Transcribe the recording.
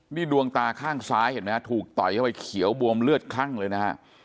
นี่ดวงตาข้างซ้ายเห็นไหมฮะถูกต่อยเข้าไปเขียวบวมเลือดคลั่งเลยนะฮะ